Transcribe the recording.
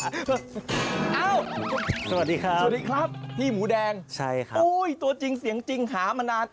อ้าวสวัสดีครับพี่หมูแดงโอ๊ยตัวจริงหามานาน